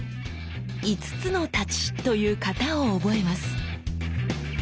「五津之太刀」という型を覚えます。